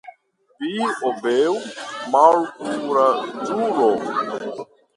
Vi obeu, malkuraĝulo.